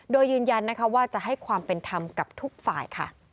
โดยยืนยันว่าจะให้ความเป็นธรรมกับทุกฝ่ายค่ะ